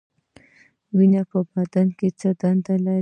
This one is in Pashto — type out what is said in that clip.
وینه په بدن کې څه دنده لري؟